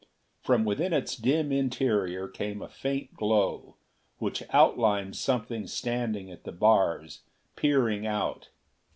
From within its dim interior came a faint glow, which outlined something standing at the bars, peering out.